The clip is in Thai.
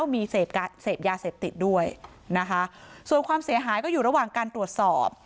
มีเสพยาเสพติดด้วยนะคะส่วนความเสียหายก็อยู่ระหว่างการตรวจสอบ